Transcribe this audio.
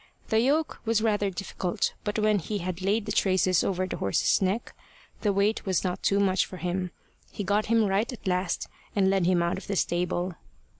The yoke was rather difficult; but when he had laid the traces over the horse's neck, the weight was not too much for him. He got him right at last, and led him out of the stable.